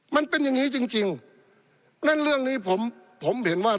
มันเป็นอย่างนี้จริงและเรื่องนี้ผมเห็นว่า